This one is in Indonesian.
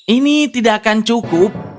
ini tidak akan cukup